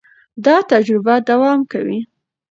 دا تجربه دوام کوي.